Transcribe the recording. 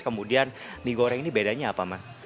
kemudian mie goreng ini bedanya apa mas